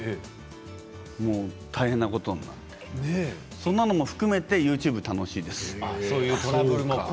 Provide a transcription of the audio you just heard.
もう大変なことになってそんなのも含めてＹｏｕＴｕｂｅ楽しいです。